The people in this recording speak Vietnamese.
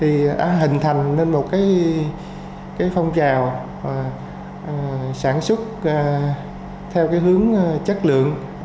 hiện nay đã hình thành nên một phong trào sản xuất theo hướng chất lượng